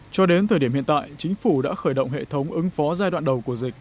cho đến thời điểm hiện tại chính phủ đã khởi động hệ thống ứng phó giai đoạn đầu của dịch